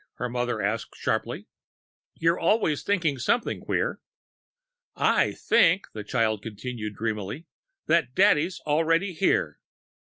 her mother asked sharply. "You're always thinking something queer." "I think," the child continued dreamily, "that Daddy's already here."